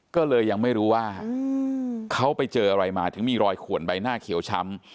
ก็เลยยังไม่รู้ว่าเขาไปเจออะไรมาถึงมีรอยขวนใบหน้าเขียวช้ำ